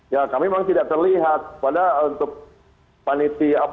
ya kami memang tidak terlihat pada untuk panitia